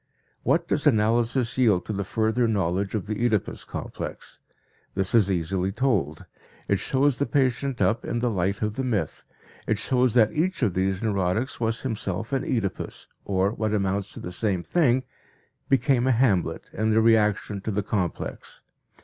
What does analysis yield to the further knowledge of the Oedipus complex? This is easily told. It shows the patient up in the light of the myth; it shows that each of these neurotics was himself an Oedipus or, what amounts to the same thing, became a Hamlet in the reaction to the complex.